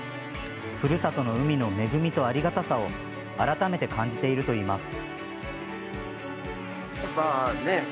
ふるさとの海の恵みとありがたさを改めて感じているといいます。